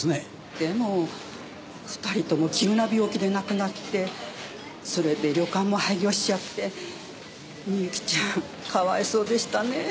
でも２人とも急な病気で亡くなってそれで旅館も廃業しちゃってみゆきちゃんかわいそうでしたね。